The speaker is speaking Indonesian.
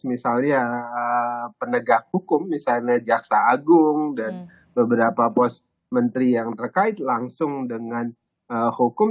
misalnya penegak hukum misalnya jaksa agung dan beberapa pos menteri yang terkait langsung dengan hukum